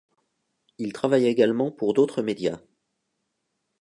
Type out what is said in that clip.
Il travailla également pour d'autres médias.